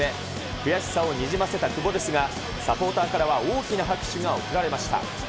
悔しさをにじませた久保ですが、サポーターからは大きな拍手が送られました。